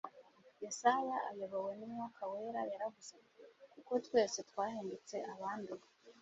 Yesaya ayobowe n'Umwuka Wera yaravuze ati; «Kuko twese twahindutse abanduye,